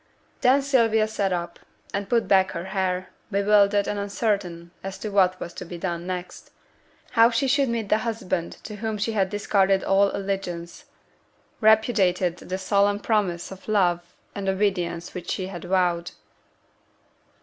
Then Sylvia sate up, and put back her hair, bewildered and uncertain as to what was to be done next; how she should meet the husband to whom she had discarded all allegiance, repudiated the solemn promise of love and obedience which she had vowed.